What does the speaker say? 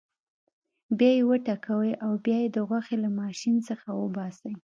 بیا یې وټکوئ او یا یې د غوښې له ماشین څخه وباسئ.